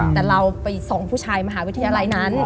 แต่เราไปส่งผู้ชายมหาวิทยาลัยนั้น